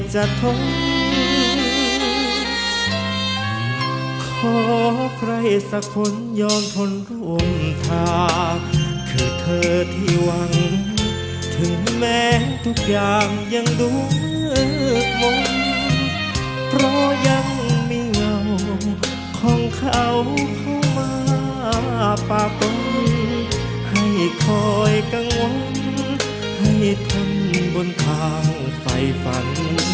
ให้คอยกังวลให้ทำบนทางไฟฝัน